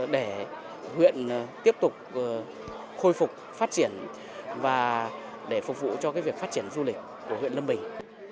để huyện tiếp tục khôi phục phát triển và để phục vụ cho việc phát triển du lịch của huyện lâm bình